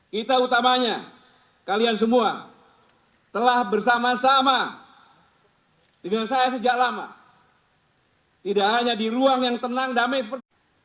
kita utamanya kalian semua telah bersama sama dengan saya sejak lama tidak hanya di ruang yang tenang damai seperti ini